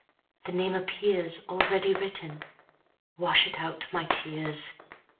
the name appears Already written wash it out, my tears!